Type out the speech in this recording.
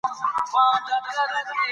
او د امیر نافرمانی یی حرامه ګرځولی ده.